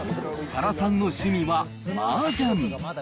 多良さんの趣味はマージャン。